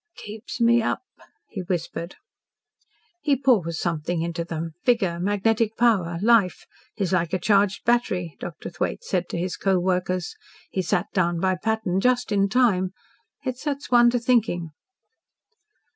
"Keeps me up," he whispered. "He pours something into them vigour magnetic power life. He's like a charged battery," Dr. Thwaite said to his co workers. "He sat down by Patton just in time. It sets one to thinking."